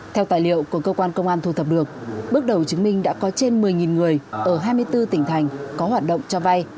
theo tài liệu của cơ quan công an thu thập được bước đầu chứng minh đã có trên một mươi người ở hai mươi bốn tỉnh thành có hoạt động cho vay